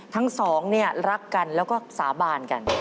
ทั้งสองเนี่ยรักกันแล้วก็สาบานกัน